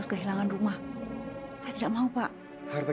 sangat menyedihkan juga